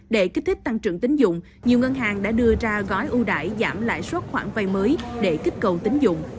để kích thích tăng trưởng tính dụng nhiều ngân hàng đã đưa ra gói ưu đại giảm lãi suất khoản vay mới để kích cầu tính dụng